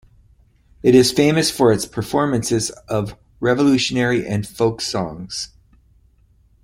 It is famous for its performances of revolutionary and folk songs.